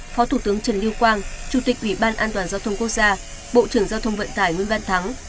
phó thủ tướng trần lưu quang chủ tịch ủy ban an toàn giao thông quốc gia bộ trưởng giao thông vận tải nguyễn văn thắng